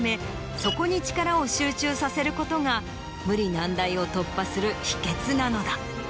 そこに力を集中させることが無理難題を突破する秘訣なのだ。